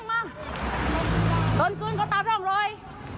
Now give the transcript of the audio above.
หมอโตโตเจ๊งตำรวจเลย